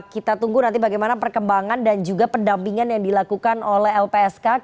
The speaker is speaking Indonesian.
kita tunggu nanti bagaimana perkembangan dan juga pendampingan yang dilakukan oleh lpsk